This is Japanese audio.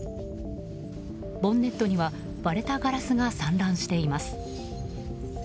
ボンネットには割れたガラスが散乱しています。